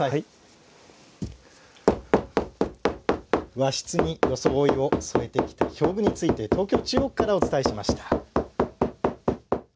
和室に装いを添えてきた表具について東京・中央区からお伝えしました。